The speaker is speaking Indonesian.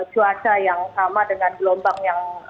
cuaca yang sama dengan gelombang yang